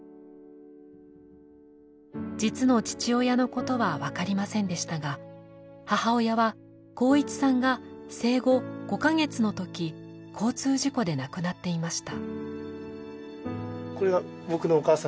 実の父親のことはわかりませんでしたが母親は航一さんが生後５カ月のとき交通事故で亡くなっていました。